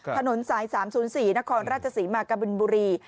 ถนนสาย๓๐๔นครราชศรีมากะบินบุรี